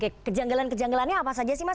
oke kejanggalan kejanggalannya apa saja sih mas